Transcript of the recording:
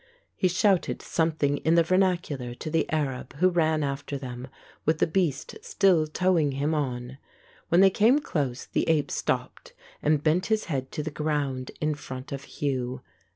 He shouted something in the vernacular to the Arab, who ran after them, with the beast still towing him on. When they came close the ape stopped and bent his head to the ground in front of Hugh.